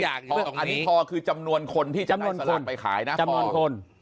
อันนี้พอคือจำนวนคนที่จะได้สลักไปขายนะพอ